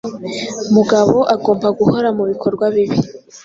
mugabo agomba guhora mubikorwa bibi